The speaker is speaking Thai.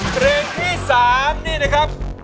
เพลงที่๓นี่นะครับ